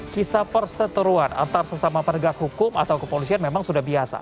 kisah perseteruan antar sesama penegak hukum atau kepolisian memang sudah biasa